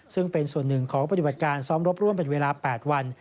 ซึ่งเป็นส่วนหนึ่งของปฏิบัติการซ้อมรบร่วมเป็นเวลา๘วัน